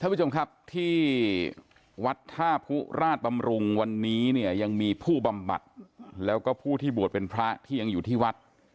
ผู้ชมครับที่วัดท่าผู้ราชบำรุงวันนี้เนี่ยยังมีผู้บำบัดแล้วก็ผู้ที่บวชเป็นพระที่ยังอยู่ที่วัด